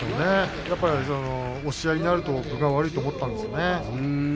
押し合いになると分が悪いと思ったんでしょうね。